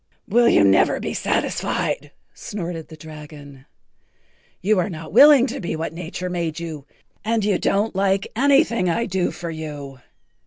"Will you never be satisfied?" snorted the dragon. "You are not willing to be what nature made you and you don't like anything I do for you.